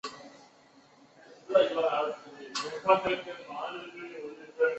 盘古越狱是第一个由中国团队发布的越狱工具。